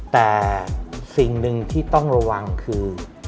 แต่สิ่งหนึ่งที่ต้องระวังคือ